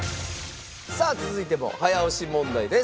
さあ続いても早押し問題です。